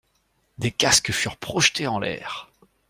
Des casques furent projetés en l'air.